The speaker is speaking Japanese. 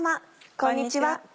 こんにちは。